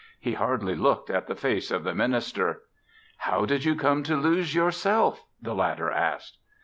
He hardly looked at the face of the minister. "How did you come to lose your Self?" the latter asked.